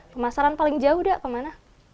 pemasaran paling jauh dah kemana